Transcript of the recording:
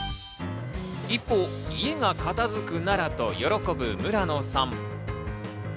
一方、家が片づくならと喜ぶ村野さん。